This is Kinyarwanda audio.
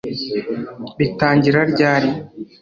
Bitangira ryari